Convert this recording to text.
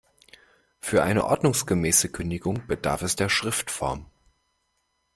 Für eine ordnungsgemäße Kündigung bedarf es der Schriftform.